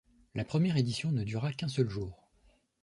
La première édition ne dura qu'un seul jour.